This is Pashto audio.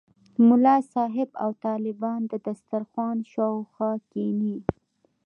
ملا صاحب او طالبان د دسترخوان شاوخوا کېني.